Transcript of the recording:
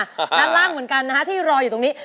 ด้านล่างเหมือนกันนะฮะที่รออยู่ตรงนี้